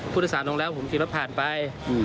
พูดภาษาลงแล้วผมขี่รถผ่านไป